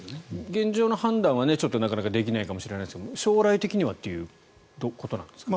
現状の判断は、なかなかできないかもしれませんが将来的にはということですかね。